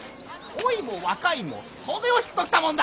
老いも若いも袖を引くときたもんだ。